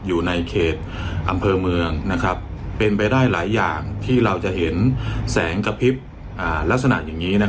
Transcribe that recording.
อยู่ในเขตอำเภอเมืองเป็นไปได้หลายอย่างที่เราจะเห็นแสงกระพริบลักษณะอย่างนี้